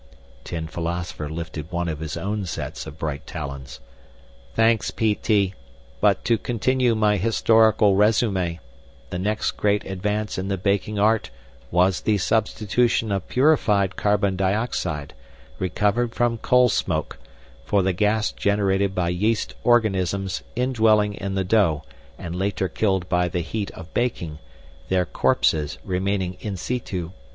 Tin Philosopher lifted one of his own sets of bright talons. "Thanks, P.T. But to continue my historical resume, the next great advance in the baking art was the substitution of purified carbon dioxide, recovered from coal smoke, for the gas generated by yeast organisms indwelling in the dough and later killed by the heat of baking, their corpses remaining in situ.